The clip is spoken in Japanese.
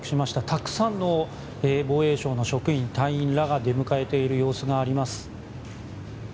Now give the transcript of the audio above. たくさんの防衛省の職員、隊員らが出迎えている様子があります。